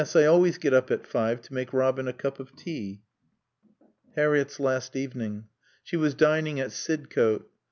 I always get up at five to make Robin a cup of tea." Harriett's last evening. She was dining at Sidcote.